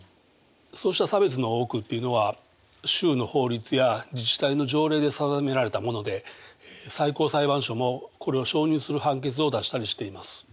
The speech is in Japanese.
そうした差別の多くっていうのは州の法律や自治体の条例で定められたもので最高裁判所もこれを承認する判決を出したりしています。